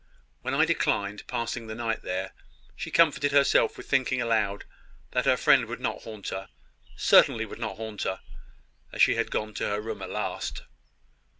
When I declined passing the night there, she comforted herself with thinking aloud that her friend would not haunt her certainly would not haunt her as she had gone to her room at last.